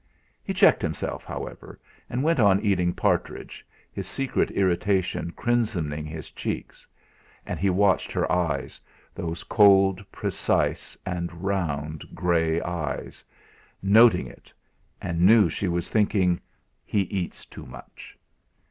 He checked himself, however, and went on eating partridge, his secret irritation crimsoning his cheeks; and he watched her eyes, those cold precise and round grey eyes, noting it, and knew she was thinking: 'He eats too much.'